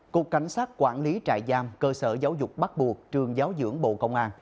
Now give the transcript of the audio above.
cục cảnh sát quản lý trại giam cơ sở giáo dục bắt buộc trường giáo dưỡng bộ công an